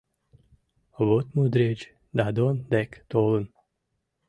Вот мудреч Дадон дек толын